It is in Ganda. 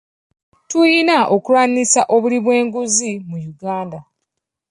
Tulina okulwanyisa obuli bw'enguzi mu Uganda.